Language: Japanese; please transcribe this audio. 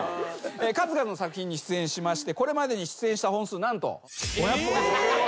数々の作品に出演しましてこれまでに出演した本数何と。